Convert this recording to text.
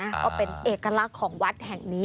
ก็เป็นเอกลักษณ์ของวัดแห่งนี้